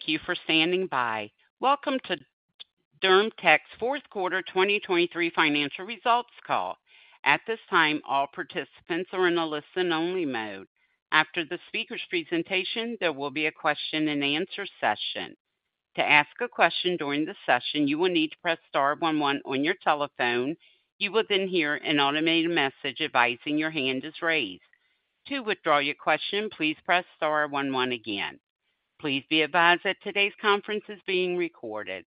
Thank you for standing by. Welcome to DermTech's fourth quarter 2023 financial results call. At this time, all participants are in a listen-only mode. After the speaker's presentation, there will be a question-and-answer session. To ask a question during the session, you will need to press star one one on your telephone. You will then hear an automated message advising your hand is raised. To withdraw your question, please press star one one again. Please be advised that today's conference is being recorded.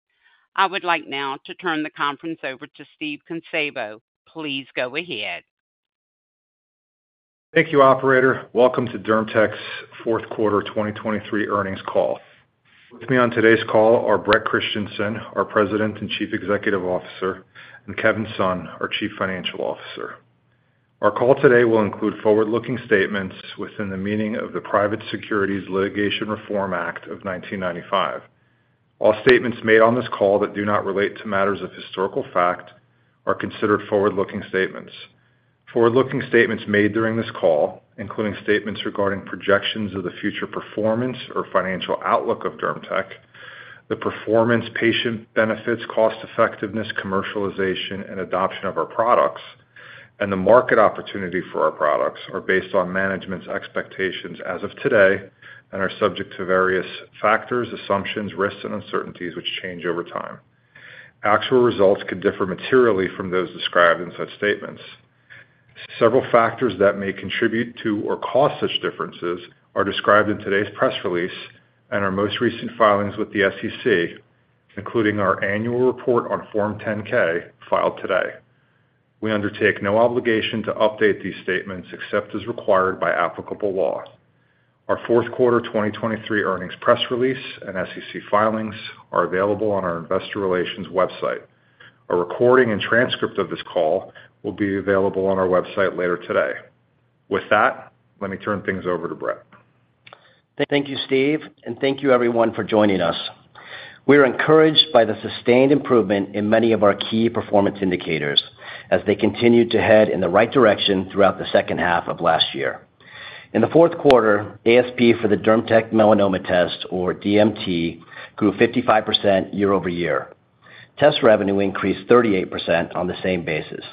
I would like now to turn the conference over to Steve Kunszabo. Please go ahead. Thank you, operator. Welcome to DermTech's fourth quarter 2023 earnings call. With me on today's call are Bret Christensen, our President and Chief Executive Officer, and Kevin Sun, our Chief Financial Officer. Our call today will include forward-looking statements within the meaning of the Private Securities Litigation Reform Act of 1995. All statements made on this call that do not relate to matters of historical fact are considered forward-looking statements. Forward-looking statements made during this call, including statements regarding projections of the future performance or financial outlook of DermTech, the performance, patient benefits, cost-effectiveness, commercialization, and adoption of our products, and the market opportunity for our products are based on management's expectations as of today and are subject to various factors, assumptions, risks, and uncertainties which change over time. Actual results could differ materially from those described in such statements. Several factors that may contribute to or cause such differences are described in today's press release and our most recent filings with the SEC, including our annual report on Form 10-K filed today. We undertake no obligation to update these statements except as required by applicable law. Our fourth quarter 2023 earnings press release and SEC filings are available on our investor relations website. A recording and transcript of this call will be available on our website later today. With that, let me turn things over to Bret. Thank you, Steve, and thank you, everyone, for joining us. We are encouraged by the sustained improvement in many of our key performance indicators as they continue to head in the right direction throughout the second half of last year. In the fourth quarter, ASP for the DermTech Melanoma Test, or DMT, grew 55% year-over-year. Test revenue increased 38% on the same basis.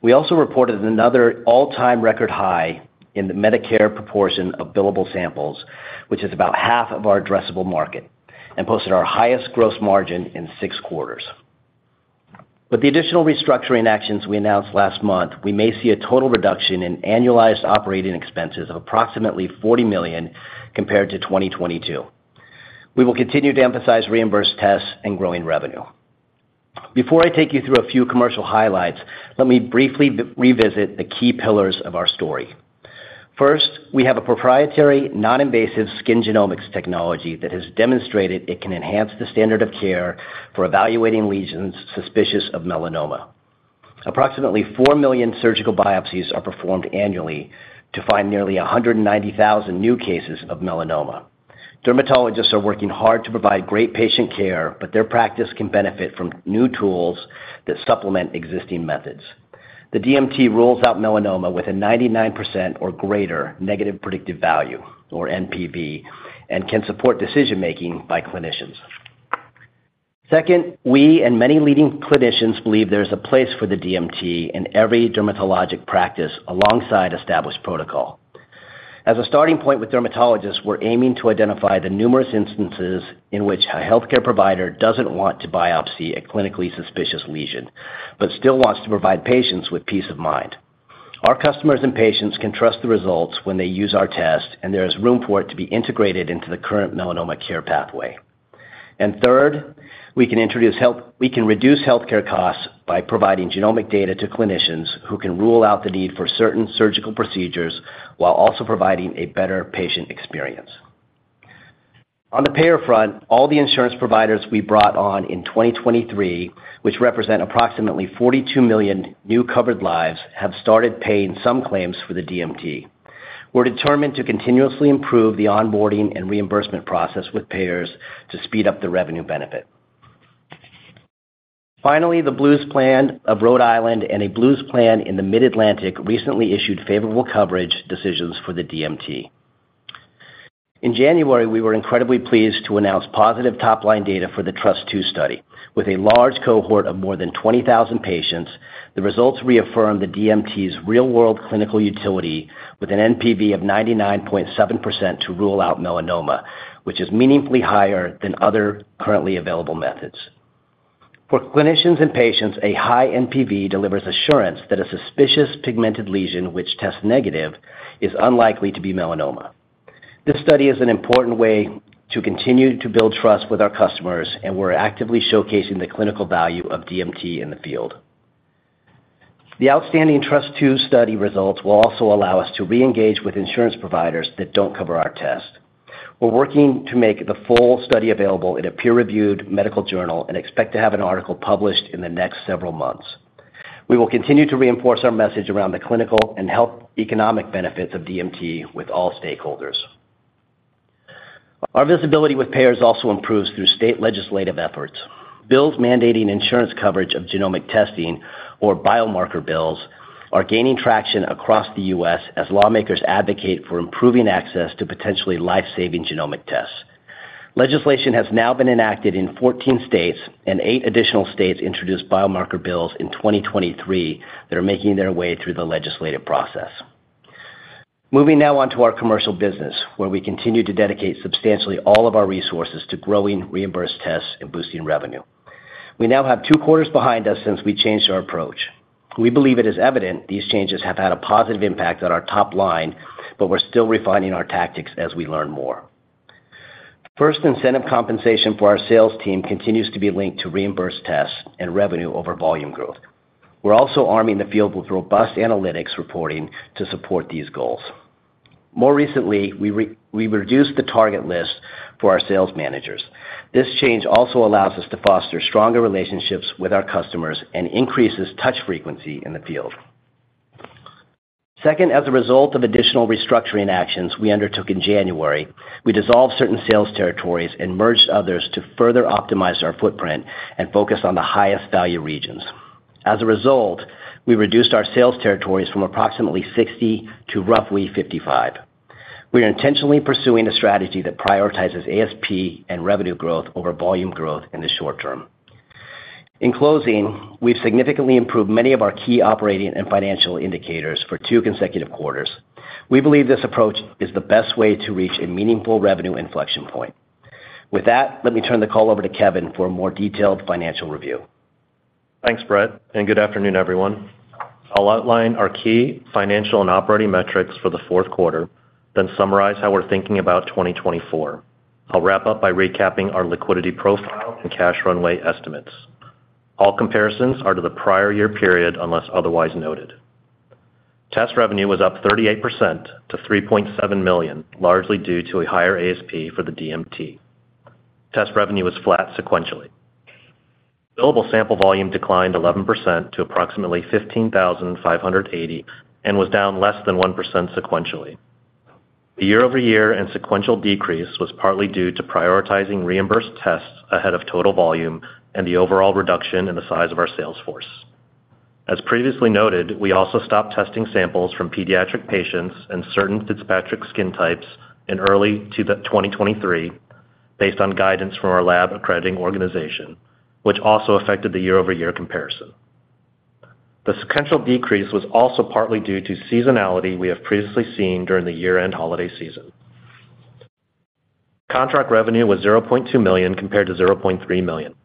We also reported another all-time record high in the Medicare proportion of billable samples, which is about half of our addressable market, and posted our highest gross margin in six quarters. With the additional restructuring actions we announced last month, we may see a total reduction in annualized operating expenses of approximately $40 million compared to 2022. We will continue to emphasize reimbursed tests and growing revenue. Before I take you through a few commercial highlights, let me briefly revisit the key pillars of our story. First, we have a proprietary, non-invasive skin genomics technology that has demonstrated it can enhance the standard of care for evaluating lesions suspicious of melanoma. Approximately four million surgical biopsies are performed annually to find nearly 190,000 new cases of melanoma. Dermatologists are working hard to provide great patient care, but their practice can benefit from new tools that supplement existing methods. The DMT rules out melanoma with a 99% or greater negative predictive value, or NPV, and can support decision-making by clinicians. Second, we and many leading clinicians believe there is a place for the DMT in every dermatologic practice alongside established protocol. As a starting point with dermatologists, we're aiming to identify the numerous instances in which a healthcare provider doesn't want to biopsy a clinically suspicious lesion but still wants to provide patients with peace of mind. Our customers and patients can trust the results when they use our test, and there is room for it to be integrated into the current melanoma care pathway. Third, we can reduce healthcare costs by providing genomic data to clinicians who can rule out the need for certain surgical procedures while also providing a better patient experience. On the payer front, all the insurance providers we brought on in 2023, which represent approximately 42 million new covered lives, have started paying some claims for the DMT. We're determined to continuously improve the onboarding and reimbursement process with payers to speed up the revenue benefit. Finally, the Blues Plan of Rhode Island and a Blues Plan in the Mid-Atlantic recently issued favorable coverage decisions for the DMT. In January, we were incredibly pleased to announce positive top-line data for the TRUST 2 study. With a large cohort of more than 20,000 patients, the results reaffirm the DMT's real-world clinical utility with an NPV of 99.7% to rule out melanoma, which is meaningfully higher than other currently available methods. For clinicians and patients, a high NPV delivers assurance that a suspicious pigmented lesion, which tests negative, is unlikely to be melanoma. This study is an important way to continue to build trust with our customers, and we're actively showcasing the clinical value of DMT in the field. The outstanding TRUST 2 study results will also allow us to reengage with insurance providers that don't cover our test. We're working to make the full study available in a peer-reviewed medical journal and expect to have an article published in the next several months. We will continue to reinforce our message around the clinical and health economic benefits of DMT with all stakeholders. Our visibility with payers also improves through state legislative efforts. Bills mandating insurance coverage of genomic testing, or biomarker bills, are gaining traction across the U.S. as lawmakers advocate for improving access to potentially lifesaving genomic tests. Legislation has now been enacted in 14 states, and 8 additional states introduced biomarker bills in 2023 that are making their way through the legislative process. Moving now onto our commercial business, where we continue to dedicate substantially all of our resources to growing reimbursed tests and boosting revenue. We now have two quarters behind us since we changed our approach. We believe it is evident these changes have had a positive impact on our top line, but we're still refining our tactics as we learn more. First, incentive compensation for our sales team continues to be linked to reimbursed tests and revenue over volume growth. We're also arming the field with robust analytics reporting to support these goals. More recently, we reduced the target list for our sales managers. This change also allows us to foster stronger relationships with our customers and increases touch frequency in the field. Second, as a result of additional restructuring actions we undertook in January, we dissolved certain sales territories and merged others to further optimize our footprint and focus on the highest value regions. As a result, we reduced our sales territories from approximately 60 to roughly 55. We are intentionally pursuing a strategy that prioritizes ASP and revenue growth over volume growth in the short term. In closing, we've significantly improved many of our key operating and financial indicators for two consecutive quarters. We believe this approach is the best way to reach a meaningful revenue inflection point. With that, let me turn the call over to Kevin for a more detailed financial review. Thanks, Bret, and good afternoon, everyone. I'll outline our key financial and operating metrics for the fourth quarter, then summarize how we're thinking about 2024. I'll wrap up by recapping our liquidity profile and cash runway estimates. All comparisons are to the prior year period unless otherwise noted. Test revenue was up 38% to $3.7 million, largely due to a higher ASP for the DMT. Test revenue was flat sequentially. Billable sample volume declined 11% to approximately 15,580 and was down less than 1% sequentially. The year-over-year and sequential decrease was partly due to prioritizing reimbursed tests ahead of total volume and the overall reduction in the size of our sales force. As previously noted, we also stopped testing samples from pediatric patients and certain dysplastic skin types in early 2023 based on guidance from our lab accrediting organization, which also affected the year-over-year comparison. The sequential decrease was also partly due to seasonality we have previously seen during the year-end holiday season. Contract revenue was $0.2 million compared to $0.3 million.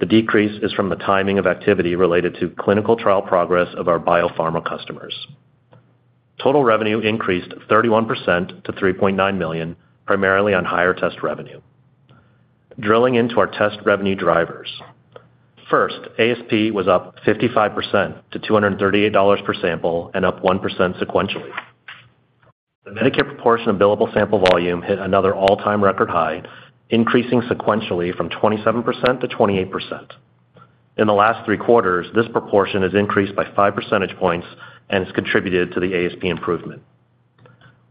The decrease is from the timing of activity related to clinical trial progress of our biopharma customers. Total revenue increased 31% to $3.9 million, primarily on higher test revenue. Drilling into our test revenue drivers. First, ASP was up 55% to $238 per sample and up 1% sequentially. The Medicare proportion of billable sample volume hit another all-time record high, increasing sequentially from 27% to 28%. In the last three quarters, this proportion has increased by 5 percentage points and has contributed to the ASP improvement.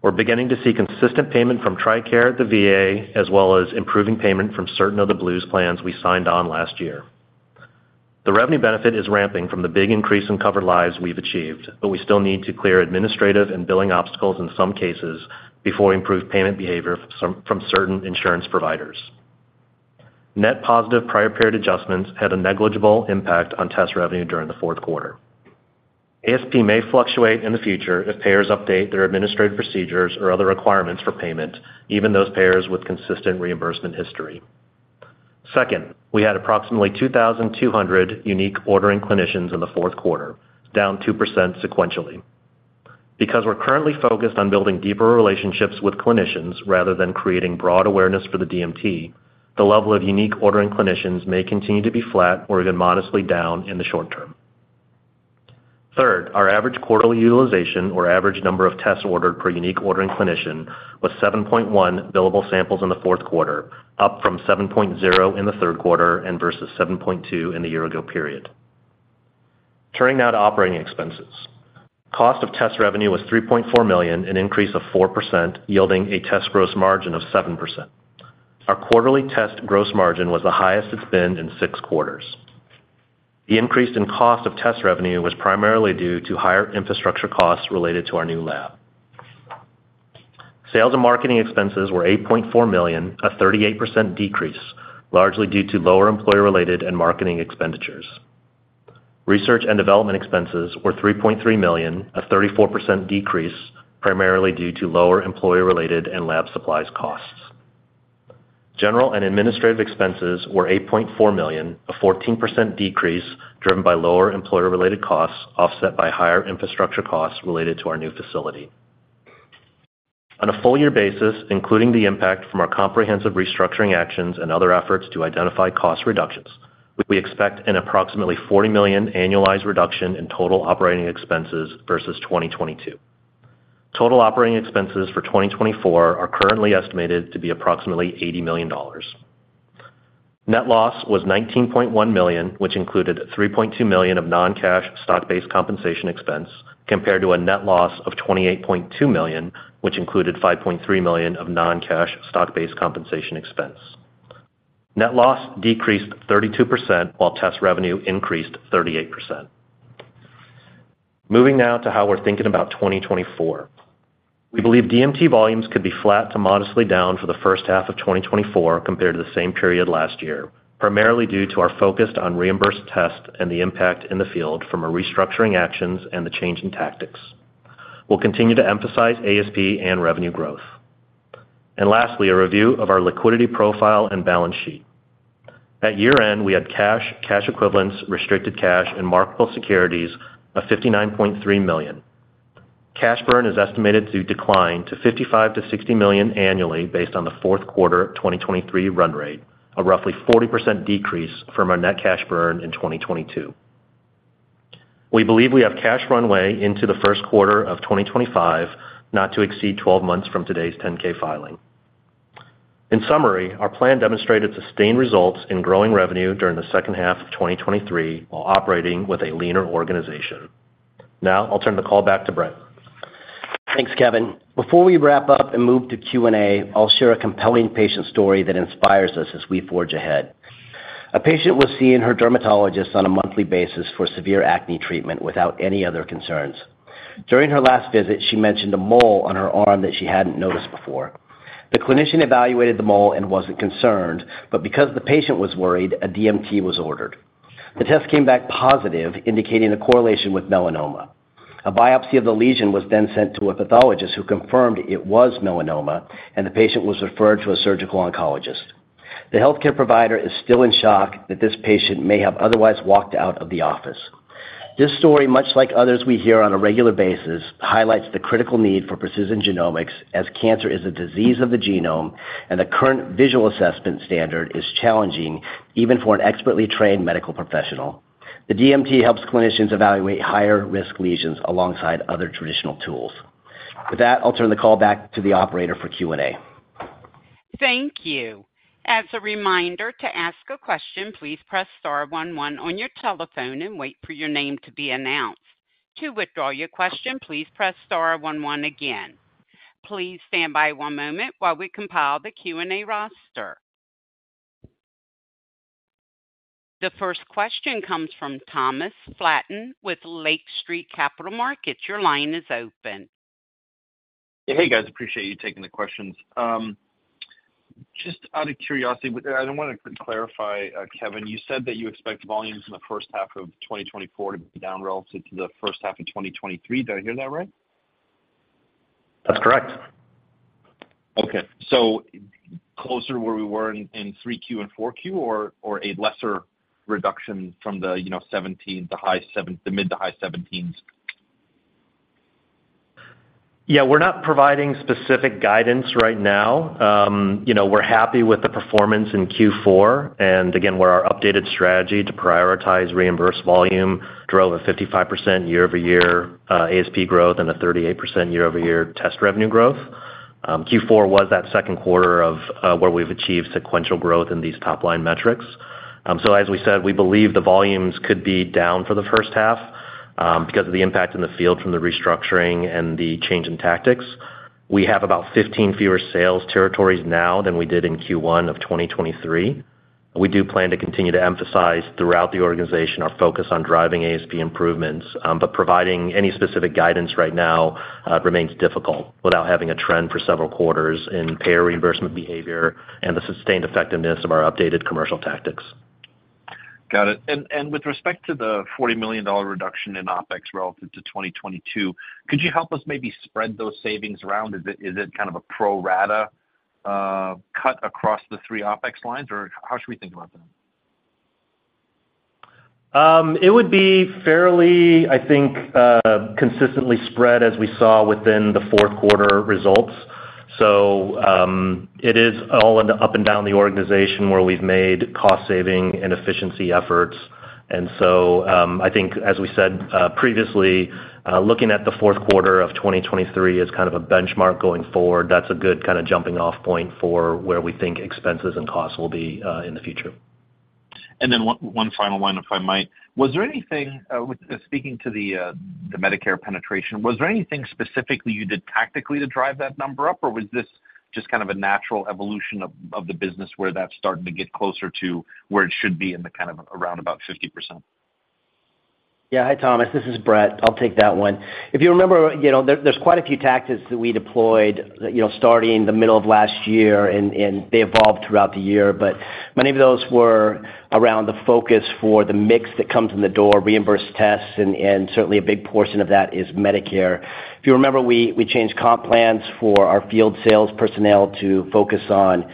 We're beginning to see consistent payment from TRICARE, the VA, as well as improving payment from certain of the Blues plans we signed on last year. The revenue benefit is ramping from the big increase in covered lives we've achieved, but we still need to clear administrative and billing obstacles in some cases before improved payment behavior from certain insurance providers. Net positive prior-payer adjustments had a negligible impact on test revenue during the fourth quarter. ASP may fluctuate in the future if payers update their administrative procedures or other requirements for payment, even those payers with consistent reimbursement history. Second, we had approximately 2,200 unique ordering clinicians in the fourth quarter, down 2% sequentially. Because we're currently focused on building deeper relationships with clinicians rather than creating broad awareness for the DMT, the level of unique ordering clinicians may continue to be flat or even modestly down in the short term. Third, our average quarterly utilization, or average number of tests ordered per unique ordering clinician, was 7.1 billable samples in the fourth quarter, up from 7.0 in the third quarter versus 7.2 in the year-ago period. Turning now to operating expenses. Cost of test revenue was $3.4 million, an increase of 4%, yielding a test gross margin of 7%. Our quarterly test gross margin was the highest it's been in six quarters. The increase in cost of test revenue was primarily due to higher infrastructure costs related to our new lab. Sales and marketing expenses were $8.4 million, a 38% decrease, largely due to lower employer-related and marketing expenditures. Research and development expenses were $3.3 million, a 34% decrease, primarily due to lower employer-related and lab supplies costs. General and administrative expenses were $8.4 million, a 14% decrease driven by lower employer-related costs offset by higher infrastructure costs related to our new facility. On a full-year basis, including the impact from our comprehensive restructuring actions and other efforts to identify cost reductions, we expect an approximately $40 million annualized reduction in total operating expenses versus 2022. Total operating expenses for 2024 are currently estimated to be approximately $80 million. Net loss was $19.1 million, which included $3.2 million of non-cash stock-based compensation expense compared to a net loss of $28.2 million, which included $5.3 million of non-cash stock-based compensation expense. Net loss decreased 32% while test revenue increased 38%. Moving now to how we're thinking about 2024. We believe DMT volumes could be flat to modestly down for the first half of 2024 compared to the same period last year, primarily due to our focus on reimbursed tests and the impact in the field from our restructuring actions and the change in tactics. We'll continue to emphasize ASP and revenue growth. And lastly, a review of our liquidity profile and balance sheet. At year-end, we had cash, cash equivalents, restricted cash, and marketable securities of $59.3 million. Cash burn is estimated to decline to $55 million-$60 million annually based on the fourth quarter 2023 run rate, a roughly 40% decrease from our net cash burn in 2022. We believe we have cash runway into the first quarter of 2025 not to exceed 12 months from today's 10-K filing. In summary, our plan demonstrated sustained results in growing revenue during the second half of 2023 while operating with a leaner organization. Now, I'll turn the call back to Bret. Thanks, Kevin. Before we wrap up and move to Q&A, I'll share a compelling patient story that inspires us as we forge ahead. A patient was seeing her dermatologist on a monthly basis for severe acne treatment without any other concerns. During her last visit, she mentioned a mole on her arm that she hadn't noticed before. The clinician evaluated the mole and wasn't concerned, but because the patient was worried, a DMT was ordered. The test came back positive, indicating a correlation with melanoma. A biopsy of the lesion was then sent to a pathologist who confirmed it was melanoma, and the patient was referred to a surgical oncologist. The healthcare provider is still in shock that this patient may have otherwise walked out of the office. This story, much like others we hear on a regular basis, highlights the critical need for precision genomics as cancer is a disease of the genome and the current visual assessment standard is challenging even for an expertly trained medical professional. The DMT helps clinicians evaluate higher-risk lesions alongside other traditional tools. With that, I'll turn the call back to the operator for Q&A. Thank you. As a reminder, to ask a question, please press star one one on your telephone and wait for your name to be announced. To withdraw your question, please press star one one again. Please stand by one moment while we compile the Q&A roster. The first question comes from Thomas Flaten with Lake Street Capital Markets. Your line is open. Hey, guys. Appreciate you taking the questions. Just out of curiosity, I don't want to clarify, Kevin, you said that you expect volumes in the first half of 2024 to be down relative to the first half of 2023. Did I hear that right? That's correct. Okay. So closer to where we were in 3Q and 4Q or a lesser reduction from the high 70s, the mid to high 70s? Yeah. We're not providing specific guidance right now. We're happy with the performance in Q4. And again, where our updated strategy to prioritize reimbursed volume drove a 55% year-over-year ASP growth and a 38% year-over-year test revenue growth. Q4 was that second quarter of where we've achieved sequential growth in these top-line metrics. So as we said, we believe the volumes could be down for the first half because of the impact in the field from the restructuring and the change in tactics. We have about 15 fewer sales territories now than we did in Q1 of 2023. We do plan to continue to emphasize throughout the organization our focus on driving ASP improvements, but providing any specific guidance right now remains difficult without having a trend for several quarters in payer reimbursement behavior and the sustained effectiveness of our updated commercial tactics. Got it. And with respect to the $40 million reduction in OpEx relative to 2022, could you help us maybe spread those savings around? Is it kind of a pro rata cut across the three OpEx lines, or how should we think about that? It would be fairly, I think, consistently spread as we saw within the fourth quarter results. So it is all up and down the organization where we've made cost-saving and efficiency efforts. And so I think, as we said previously, looking at the fourth quarter of 2023 as kind of a benchmark going forward, that's a good kind of jumping-off point for where we think expenses and costs will be in the future. And then one final one, if I might. Speaking to the Medicare penetration, was there anything specifically you did tactically to drive that number up, or was this just kind of a natural evolution of the business where that's starting to get closer to where it should be in the kind of around about 50%? Yeah. Hi, Thomas. This is Bret. I'll take that one. If you remember, there's quite a few tactics that we deployed starting the middle of last year, and they evolved throughout the year. But many of those were around the focus for the mix that comes in the door, reimbursed tests, and certainly a big portion of that is Medicare. If you remember, we changed comp plans for our field sales personnel to focus on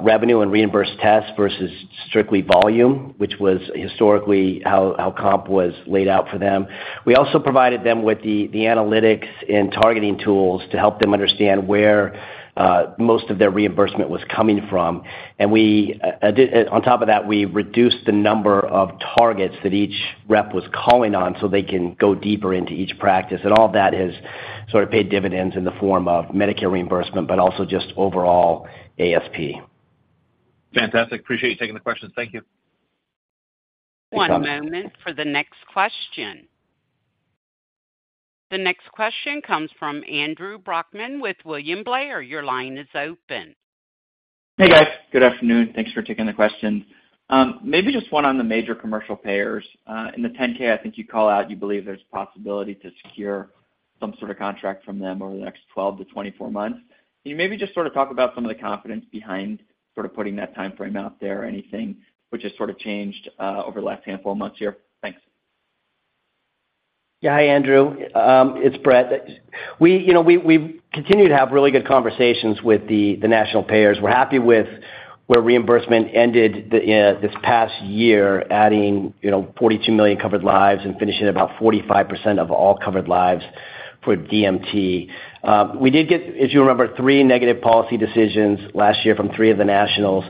revenue and reimbursed tests versus strictly volume, which was historically how comp was laid out for them. We also provided them with the analytics and targeting tools to help them understand where most of their reimbursement was coming from. And on top of that, we reduced the number of targets that each rep was calling on so they can go deeper into each practice. All of that has sort of paid dividends in the form of Medicare reimbursement but also just overall ASP. Fantastic. Appreciate you taking the questions. Thank you. One moment for the next question. The next question comes from Andrew Brackmann with William Blair. Your line is open. Hey, guys. Good afternoon. Thanks for taking the questions. Maybe just one on the major commercial payers. In the 10-K, I think you call out you believe there's a possibility to secure some sort of contract from them over the next 12-24 months. Can you maybe just sort of talk about some of the confidence behind sort of putting that timeframe out there or anything which has sort of changed over the last handful of months here? Thanks. Yeah. Hi, Andrew. It's Bret. We continue to have really good conversations with the national payers. We're happy with where reimbursement ended this past year, adding 42 million covered lives and finishing at about 45% of all covered lives for DMT. We did get, as you remember, three negative policy decisions last year from three of the nationals.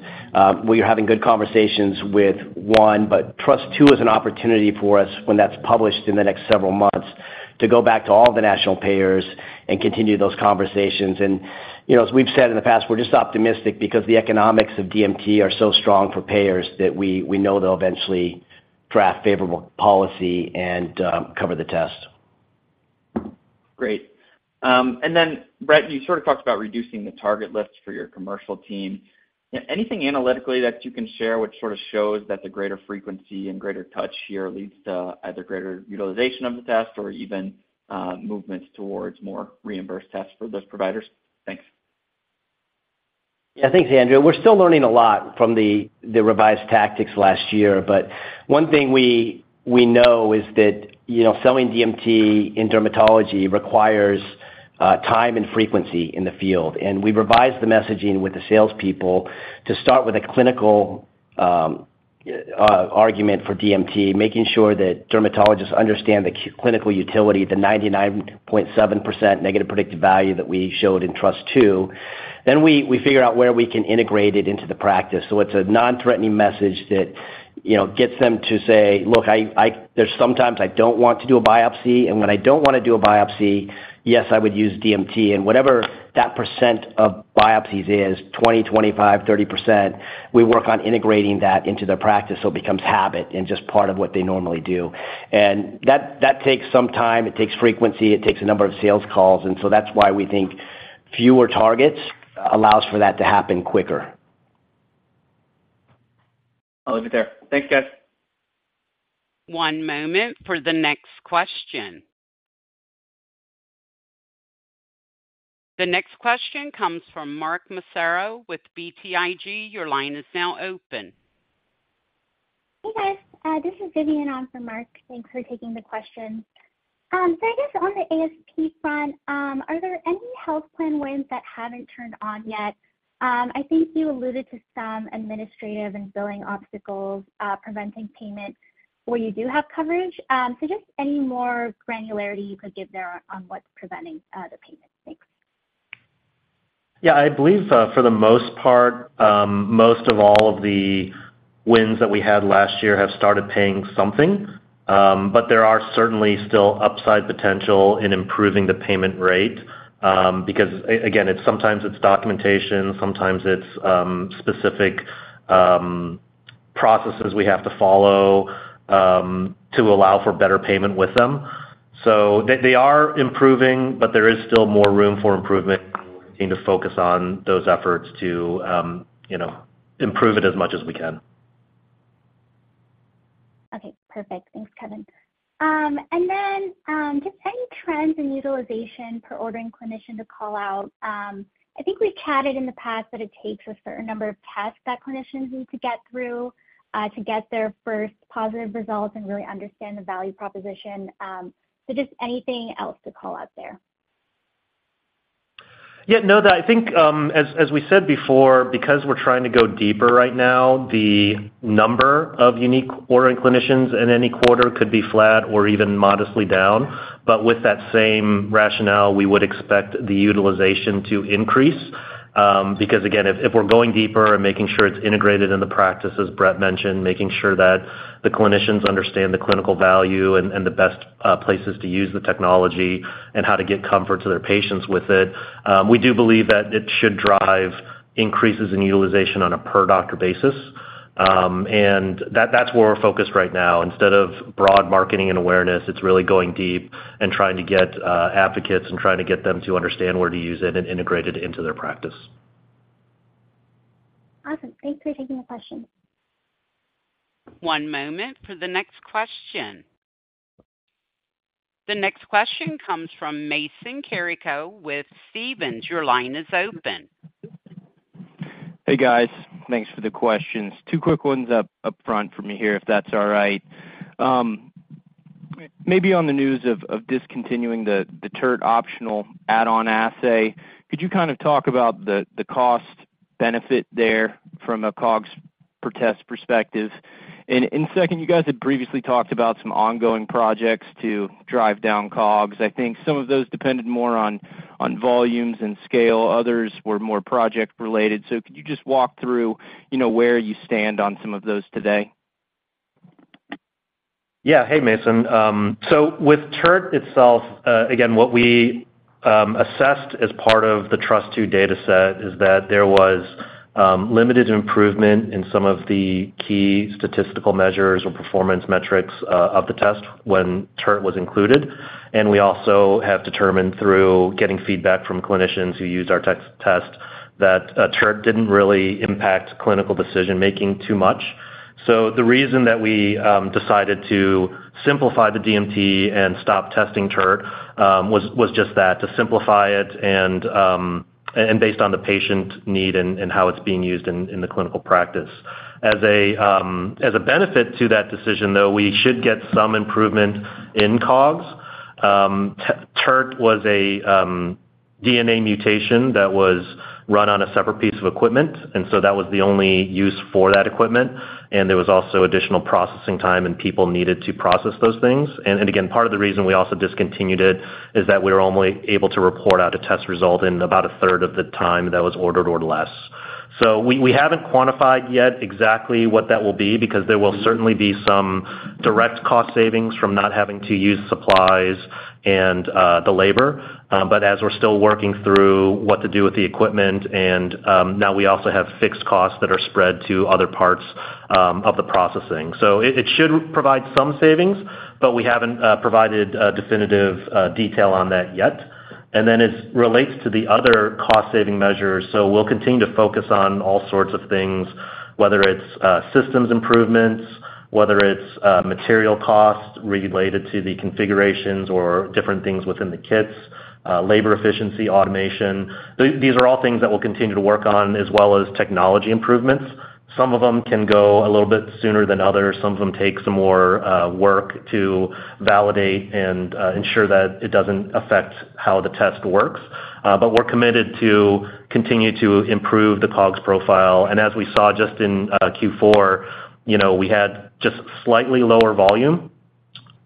We were having good conversations with one, but TRUST 2 is an opportunity for us when that's published in the next several months to go back to all of the national payers and continue those conversations. And as we've said in the past, we're just optimistic because the economics of DMT are so strong for payers that we know they'll eventually draft favorable policy and cover the test. Great. And then, Bret, you sort of talked about reducing the target list for your commercial team. Anything analytically that you can share which sort of shows that the greater frequency and greater touch here leads to either greater utilization of the test or even movements towards more reimbursed tests for those providers? Thanks. Yeah. Thanks, Andrew. We're still learning a lot from the revised tactics last year. One thing we know is that selling DMT in dermatology requires time and frequency in the field. We revised the messaging with the salespeople to start with a clinical argument for DMT, making sure that dermatologists understand the clinical utility, the 99.7% negative predictive value that we showed in TRUST 2. We figure out where we can integrate it into the practice. It's a non-threatening message that gets them to say, "Look, sometimes I don't want to do a biopsy. And when I don't want to do a biopsy, yes, I would use DMT." Whatever that percent of biopsies is, 20%, 25%, 30%, we work on integrating that into their practice so it becomes habit and just part of what they normally do. That takes some time. It takes frequency. It takes a number of sales calls. And so that's why we think fewer targets allows for that to happen quicker. I'll leave it there. Thanks, guys. One moment for the next question. The next question comes from Mark Massaro with BTIG. Your line is now open. Hey, guys. This is Vivian on from Mark. Thanks for taking the question. So I guess on the ASP front, are there any health plan wins that haven't turned on yet? I think you alluded to some administrative and billing obstacles preventing payment where you do have coverage. So just any more granularity you could give there on what's preventing the payment. Thanks. Yeah. I believe, for the most part, most of all of the wins that we had last year have started paying something. But there are certainly still upside potential in improving the payment rate because, again, sometimes it's documentation. Sometimes it's specific processes we have to follow to allow for better payment with them. So they are improving, but there is still more room for improvement. We're continuing to focus on those efforts to improve it as much as we can. Okay. Perfect. Thanks, Kevin. And then just any trends in utilization per ordering clinician to call out? I think we've chatted in the past that it takes a certain number of tests that clinicians need to get through to get their first positive results and really understand the value proposition. So just anything else to call out there? Yeah. No, I think, as we said before, because we're trying to go deeper right now, the number of unique ordering clinicians in any quarter could be flat or even modestly down. But with that same rationale, we would expect the utilization to increase because, again, if we're going deeper and making sure it's integrated in the practice, as Bret mentioned, making sure that the clinicians understand the clinical value and the best places to use the technology and how to get comfort to their patients with it, we do believe that it should drive increases in utilization on a per-doctor basis. And that's where we're focused right now. Instead of broad marketing and awareness, it's really going deep and trying to get advocates and trying to get them to understand where to use it and integrate it into their practice. Awesome. Thanks for taking the question. One moment for the next question. The next question comes from Mason Carrico with Stephens. Your line is open. Hey, guys. Thanks for the questions. Two quick ones upfront from me here, if that's all right. Maybe on the news of discontinuing the TERT optional add-on assay, could you kind of talk about the cost-benefit there from a COGS per test perspective? And in a second, you guys had previously talked about some ongoing projects to drive down COGS. I think some of those depended more on volumes and scale. Others were more project-related. So could you just walk through where you stand on some of those today? Yeah. Hey, Mason. So with TERT itself, again, what we assessed as part of the TRUST 2 dataset is that there was limited improvement in some of the key statistical measures or performance metrics of the test when TERT was included. And we also have determined through getting feedback from clinicians who used our test that TERT didn't really impact clinical decision-making too much. So the reason that we decided to simplify the DMT and stop testing TERT was just that, to simplify it and based on the patient need and how it's being used in the clinical practice. As a benefit to that decision, though, we should get some improvement in COGS. TERT was a DNA mutation that was run on a separate piece of equipment. And so that was the only use for that equipment. There was also additional processing time, and people needed to process those things. Again, part of the reason we also discontinued it is that we were only able to report out a test result in about a third of the time that was ordered or less. We haven't quantified yet exactly what that will be because there will certainly be some direct cost savings from not having to use supplies and the labor. But as we're still working through what to do with the equipment, and now we also have fixed costs that are spread to other parts of the processing. It should provide some savings, but we haven't provided definitive detail on that yet. And then as it relates to the other cost-saving measures, so we'll continue to focus on all sorts of things, whether it's systems improvements, whether it's material costs related to the configurations or different things within the kits, labor efficiency, automation. These are all things that we'll continue to work on as well as technology improvements. Some of them can go a little bit sooner than others. Some of them take some more work to validate and ensure that it doesn't affect how the test works. But we're committed to continue to improve the COGS profile. And as we saw just in Q4, we had just slightly lower volume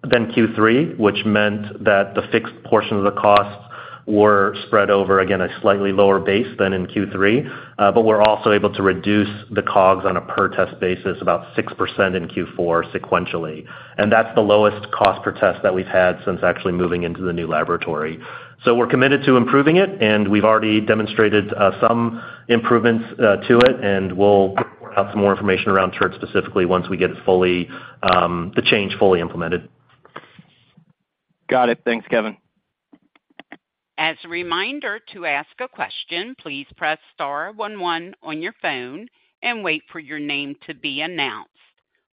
than Q3, which meant that the fixed portion of the costs were spread over, again, a slightly lower base than in Q3. But we're also able to reduce the COGS on a per-test basis, about 6% in Q4 sequentially. That's the lowest cost per test that we've had since actually moving into the new laboratory. We're committed to improving it, and we've already demonstrated some improvements to it. We'll report out some more information around TERT specifically once we get the change fully implemented. Got it. Thanks, Kevin. As a reminder to ask a question, please press star one one on your phone and wait for your name to be announced.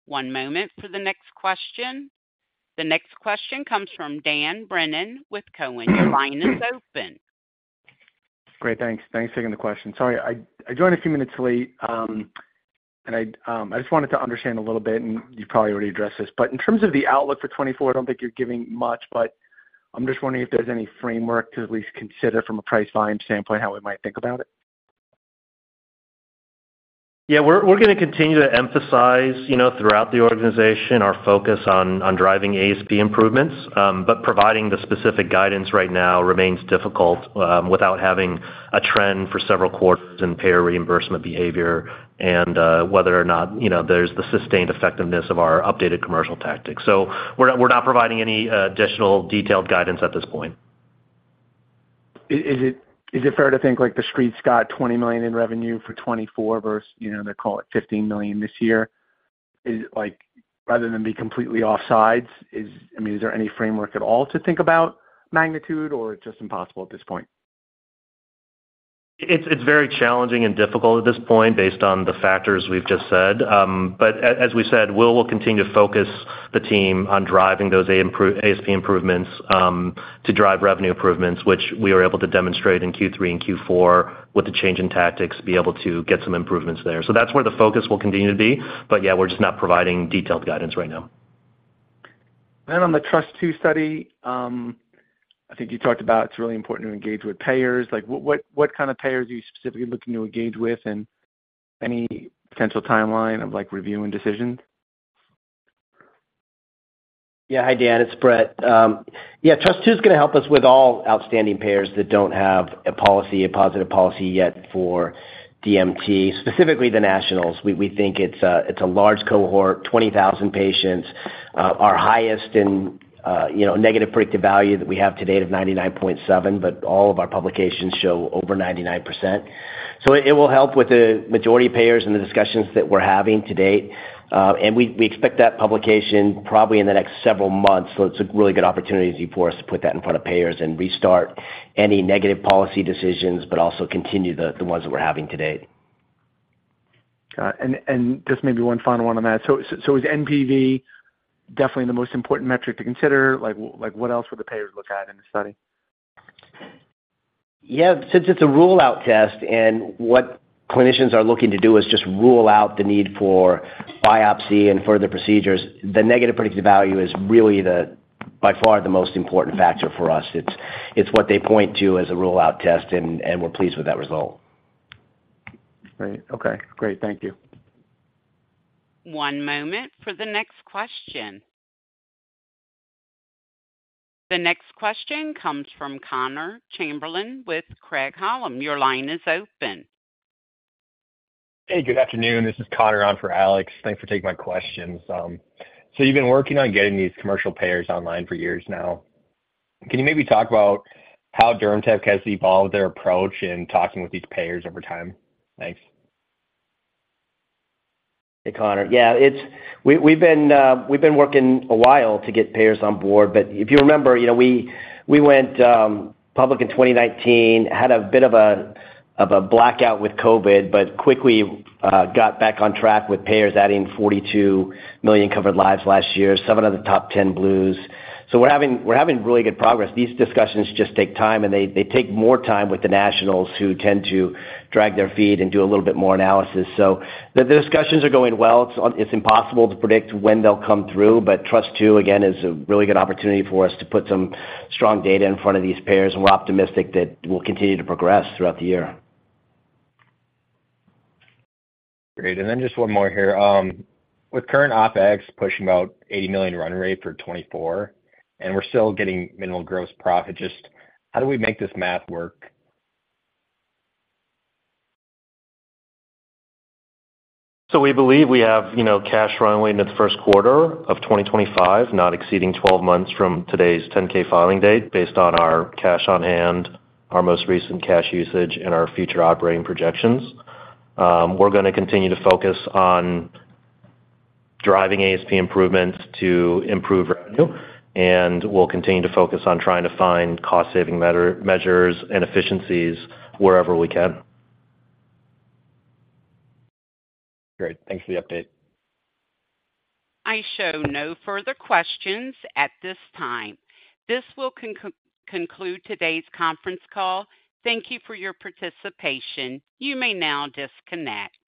One moment for the next question. The next question comes from Dan Brennan with Cowen. Your line is open. Great. Thanks. Thanks for taking the question. Sorry, I joined a few minutes late. And I just wanted to understand a little bit, and you've probably already addressed this. But in terms of the outlook for 2024, I don't think you're giving much. But I'm just wondering if there's any framework to at least consider from a price volume standpoint how we might think about it. Yeah. We're going to continue to emphasize throughout the organization our focus on driving ASP improvements. But providing the specific guidance right now remains difficult without having a trend for several quarters in payer reimbursement behavior and whether or not there's the sustained effectiveness of our updated commercial tactics. So we're not providing any additional detailed guidance at this point. Is it fair to think the street's got $20 million in revenue for 2024 versus they're calling it $15 million this year? Rather than be completely offsides, I mean, is there any framework at all to think about magnitude, or it's just impossible at this point? It's very challenging and difficult at this point based on the factors we've just said. But as we said, we'll continue to focus the team on driving those ASP improvements to drive revenue improvements, which we were able to demonstrate in Q3 and Q4 with the change in tactics, be able to get some improvements there. So that's where the focus will continue to be. But yeah, we're just not providing detailed guidance right now. Then on the TRUST 2 Study, I think you talked about it's really important to engage with payers. What kind of payers are you specifically looking to engage with and any potential timeline of reviewing decisions? Yeah. Hi, Dan. It's Bret. Yeah. TRUST 2 is going to help us with all outstanding payers that don't have a positive policy yet for DMT, specifically the nationals. We think it's a large cohort, 20,000 patients, our highest in negative predictive value that we have to date of 99.7%. But all of our publications show over 99%. So it will help with the majority payers and the discussions that we're having to date. And we expect that publication probably in the next several months. So it's a really good opportunity for us to put that in front of payers and restart any negative policy decisions but also continue the ones that we're having to date. Got it. Just maybe one final one on that. Is NPV definitely the most important metric to consider? What else would the payers look at in the study? Yeah. Since it's a rule-out test and what clinicians are looking to do is just rule out the need for biopsy and further procedures, the negative predictive value is really by far the most important factor for us. It's what they point to as a rule-out test, and we're pleased with that result. Great. Okay. Great. Thank you. One moment for the next question. The next question comes from Connor Chamberlain with Craig-Hallum. Your line is open. Hey, good afternoon. This is Connor on for Alex. Thanks for taking my questions. So you've been working on getting these commercial payers online for years now. Can you maybe talk about how DermTech has evolved their approach in talking with these payers over time? Thanks. Hey, Connor. Yeah. We've been working a while to get payers on board. But if you remember, we went public in 2019, had a bit of a blackout with COVID, but quickly got back on track with payers adding 42 million covered lives last year, seven of the top 10 Blues. So we're having really good progress. These discussions just take time, and they take more time with the nationals who tend to drag their feet and do a little bit more analysis. So the discussions are going well. It's impossible to predict when they'll come through. But TRUST 2, again, is a really good opportunity for us to put some strong data in front of these payers. And we're optimistic that we'll continue to progress throughout the year. Great. And then just one more here. With current OpEx pushing about $80 million run rate for 2024 and we're still getting minimal gross profit, just how do we make this math work? We believe we have cash runway in the first quarter of 2025, not exceeding 12 months from today's 10-K filing date based on our cash on hand, our most recent cash usage, and our future operating projections. We're going to continue to focus on driving ASP improvements to improve revenue. We'll continue to focus on trying to find cost-saving measures and efficiencies wherever we can. Great. Thanks for the update. I show no further questions at this time. This will conclude today's conference call. Thank you for your participation. You may now disconnect.